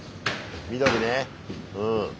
緑ねうん。